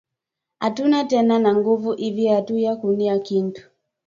Atuna tena na nguvu ivi atuya kuria kintu